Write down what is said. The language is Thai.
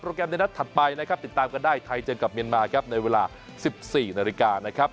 แกรมในนัดถัดไปนะครับติดตามกันได้ไทยเจอกับเมียนมาครับในเวลา๑๔นาฬิกานะครับ